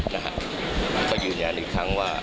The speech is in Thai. นะฮะเขาอยู่ในอันอีกครั้งว่า